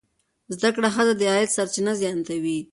زده کړه ښځه د عاید سرچینې زیاتوي.